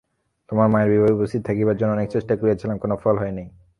তোমার মায়ের বিবাহে উপস্থিত থাকিবার জন্য অনেক চেষ্টা করিয়াছিলাম, কোনো ফল হয় নাই।